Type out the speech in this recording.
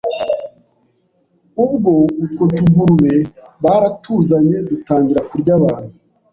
ubwo utwo tugurube baratuzanye dutangira kurya abantu